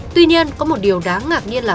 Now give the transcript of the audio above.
tuy nhiên có một điều đáng ngạc nhiên là